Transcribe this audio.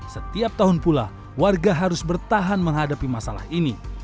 setiap tahun pula warga harus bertahan menghadapi masalah ini